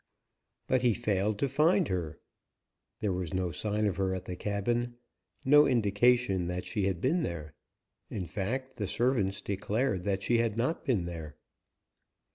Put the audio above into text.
But he failed to find her. There was no sign of her at the cabin, no indication that she had been there in fact, the servants declared that she had not been there.